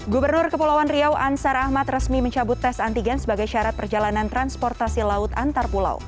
gubernur kepulauan riau ansar ahmad resmi mencabut tes antigen sebagai syarat perjalanan transportasi laut antar pulau